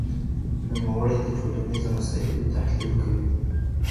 نوموړی د ټولنيزو مسائلو تحليل کوي.